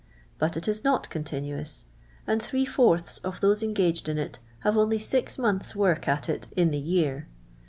But it is not continuous, and three fourths of those engaged in it have only six months* work at it in the year.